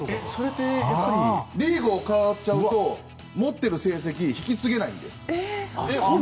リーグが変わると持っている成績を引き継げないので。